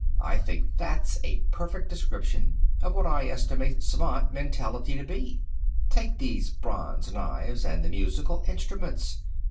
I think that's a perfect description of what I estimate Svant mentality to be. Take these bronze knives, and the musical instruments.